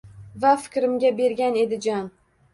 Va fikrimga bergan edi jon